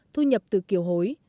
thu nhập từ kiều hối